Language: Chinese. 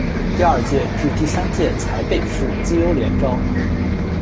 第二届至第三届采北市资优联招。